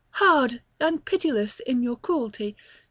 Hard and pitiless in your cruelty!